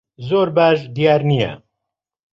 زۆر باش دیار نییە.